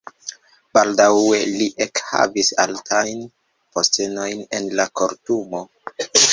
Baldaŭe li ekhavis altajn postenojn en la kortumo.